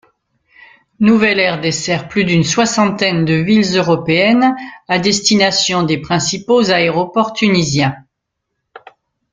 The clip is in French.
Nouvelair dessert plus d'une soixantaine de villes européennes à destination des principaux aéroports tunisiens.